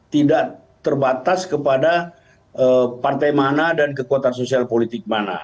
tidak terbatas kepada partai mana dan kekuatan sosial politik mana